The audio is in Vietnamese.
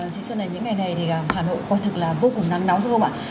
chị sơn này những ngày này hà nội coi thật là vô cùng nắng nóng đúng không ạ